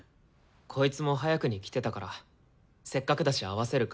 こいつも早くに来てたからせっかくだし合わせるかって。